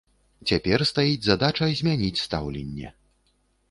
Цяпер стаіць задача змяніць стаўленне.